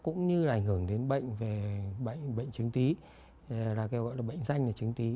cũng như là ảnh hưởng đến bệnh về bệnh chứng tí là gọi là bệnh danh là chứng tí